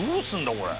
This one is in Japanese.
これ。